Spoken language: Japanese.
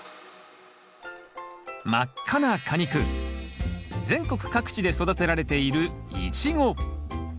真っ赤な果肉全国各地で育てられているイチゴ。